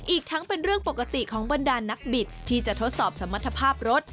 อีกทั้งเป็นเรื่องปกติของบรรดานนักบิดที่จะทดสอบสมรรถภาพรถ